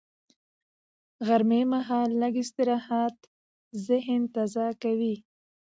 غرمه مهال لږ استراحت ذهن تازه کوي